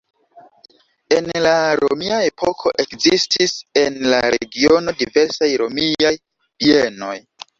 En la romia epoko ekzistis en la regiono diversaj romiaj bienoj.